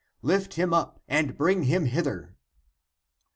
Lift him up and bring him hither."